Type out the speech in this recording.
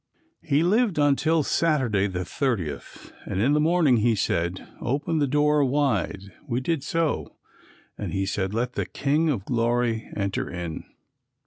He lived until Saturday, the 30th, and in the morning he said, "Open the door wide." We did so and he said, "Let the King of Glory enter in."